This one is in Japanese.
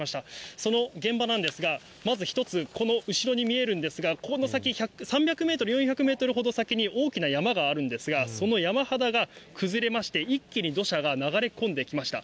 その現場なんですが、まず１つ、この後ろに見えるんですが、ここの先３００メートル、４００メートルほど先に大きな山があるんですが、その山肌が崩れまして、一気に土砂が流れ込んできました。